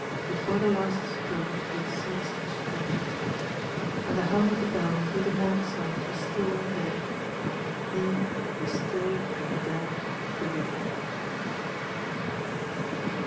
Before the last stroke he had ceased struggling. When the hum of the bell through the morning silence was still and dead, he was still and dead with it."